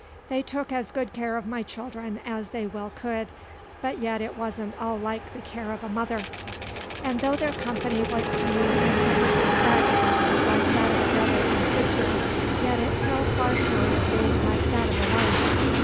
They took as good care of my children as they well could, but yet it wasn't all like the care of a mother. And though their company was to me in every respect like that of a brother and sister, yet it fell far short of being like that of a wife.